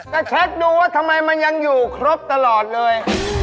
แต่เช็คดูว่าทำไมมันยังอยู่ครบตลอดเลย